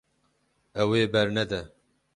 Ew ê bernede.